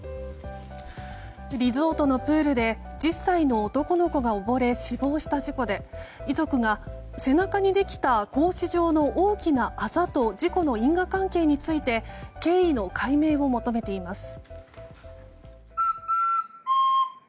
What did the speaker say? リゾートのプールで１０歳の男の子が溺れ死亡した事故で遺族が、背中にできた格子状の大きなあざと事故の因果関係について経緯の解明を求めています。